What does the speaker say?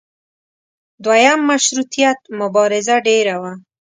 دویم مشروطیت مبارزه ډېره وه.